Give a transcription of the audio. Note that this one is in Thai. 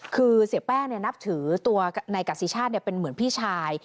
คือเสียแป้งนับถือตัวนายกัสสิชาติเป็นเหมือนพี่ชาย